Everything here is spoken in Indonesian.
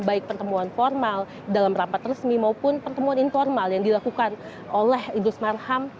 baik pertemuan formal dalam rapat resmi maupun pertemuan informal yang dilakukan oleh idrus marham